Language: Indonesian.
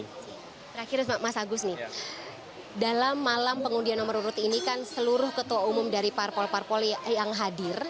terakhir mas agus nih dalam malam pengundian nomor urut ini kan seluruh ketua umum dari parpol parpol yang hadir